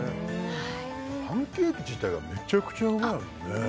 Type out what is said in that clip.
パンケーキ自体がめちゃくちゃうまいもんね